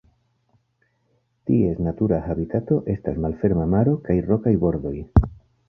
Ties natura habitato estas malferma maro kaj rokaj bordoj.